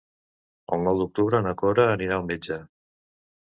El nou d'octubre na Cora anirà al metge.